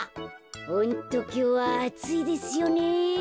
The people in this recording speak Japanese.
ホントきょうはあついですよね。